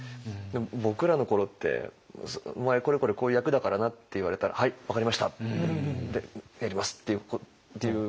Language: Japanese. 僕らの頃って「お前これこれこういう役だからな」って言われたら「はい分かりました」って「やります」っていう。